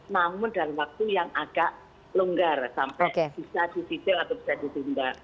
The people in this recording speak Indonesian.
namun dalam waktu yang agak longgar sampai bisa disicil atau bisa ditunda